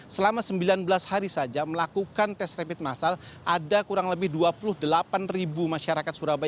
selama sembilan belas hari saja melakukan tes rapid massal ada kurang lebih dua puluh delapan ribu masyarakat surabaya